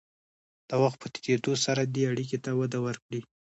د وخت په تېرېدو سره دې اړیکو ته وده ورکړئ.